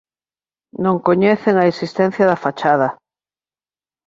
Non coñecen a existencia da fachada.